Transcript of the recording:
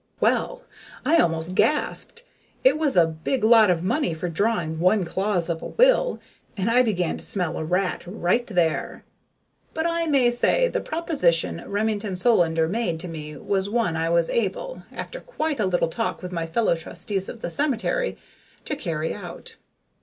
Well, I almost gasped. It was a big lot of money for drawing one clause of a will, and I began to smell a rat right there. But, I may say, the proposition Remington Solander made to me was one I was able, after quite a little talk with my fellow trustees of the cemetery, to carry out.